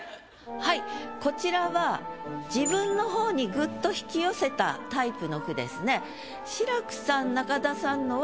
はいこちらは自分の方にグッと引き寄せたタイプの句ですね。